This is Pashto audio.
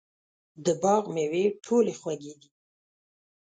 د باغ مېوې ټولې خوږې دي.